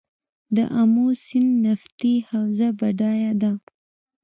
د امو سیند نفتي حوزه بډایه ده؟